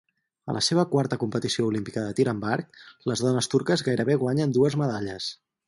A la seva quarta competició olímpica de tir amb arc, les dones turques gairebé guanyen dues medalles.